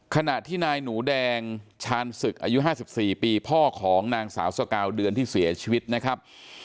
ขณะที่นายหนูแดงชาญศึกอายุ๕๔ปีพ่อของนางสาวสกาวเดือนที่เสียชีวิตนะครับ